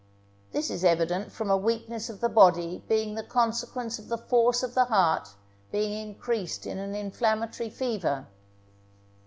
This is evident from a weakness of the body being the consequence of the force of the heart being increased in an inflammatory fever.